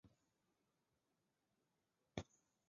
二列叶柃为山茶科柃木属下的一个种。